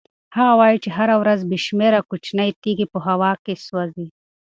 هغه وایي چې هره ورځ بې شمېره کوچنۍ تېږې په هوا کې سوځي.